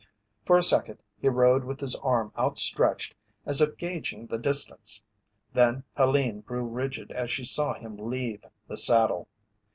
For a second he rode with his arm outstretched as if gauging the distance, then Helene grew rigid as she saw him leave the saddle.